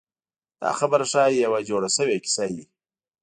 دا خبره ښایي یوه جوړه شوې کیسه وي.